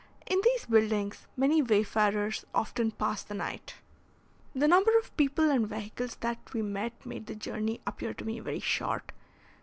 In these buildings many wayfarers often pass the night. The number of people and vehicles that we met made the journey appear to me very short.